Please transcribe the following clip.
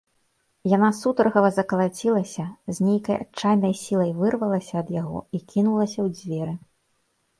Яна сутаргава закалацілася, з нейкай адчайнай сілай вырвалася ад яго і кінулася ў дзверы.